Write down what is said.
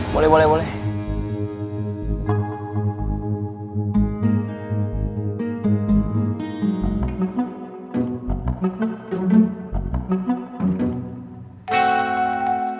boleh boleh boleh